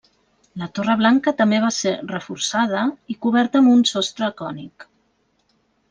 La torre blanca també va ser reforçada i coberta amb un sostre cònic.